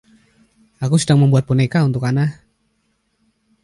Aku sedang membuat boneka untuk Anna.